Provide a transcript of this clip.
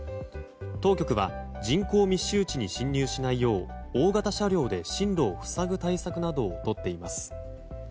当局は人口密集地に進入しないよう大型車両で進路を塞ぐ対策などをとっています。